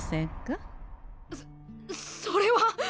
そそれは。